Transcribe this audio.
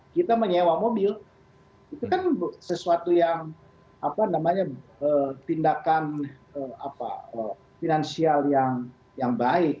kita menyewa mobil itu kan sesuatu yang tindakan finansial yang baik